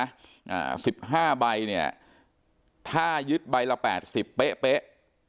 อ่าสิบห้าใบเนี่ยถ้ายึดใบละแปดสิบเป๊ะเป๊ะ